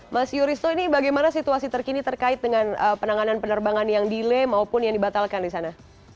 mas yuristo ini bagaimana situasi terkini terkait dengan penanganan penerbangan yang delay maupun yang dibatalkan di sana